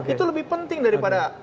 itu lebih penting daripada